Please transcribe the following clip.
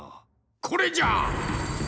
これじゃ！